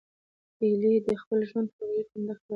ایلي د خپل ژوند ملګری ته همدا خبره وکړه.